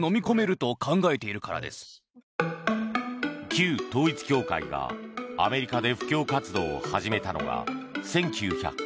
旧統一教会がアメリカで布教活動を始めたのが１９５９年。